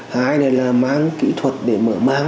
hai là mang kỹ thuật để mở máng